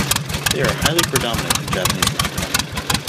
They are highly predominant in Japanese manga.